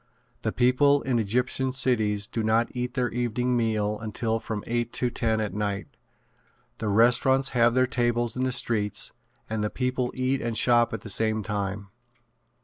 The people in Egyptian cities do not eat their evening meal until from eight to ten at night. The restaurants have their tables in the streets and the people eat and shop at the same time.